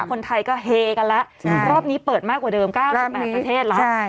คนไทยก็เฮกันละรอบนี้เปิดมากกว่าเดิม๙๐แบบประเทศละ